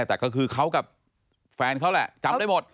แต่ก็คือเขากับแฟนเขาแหละจำได้หมด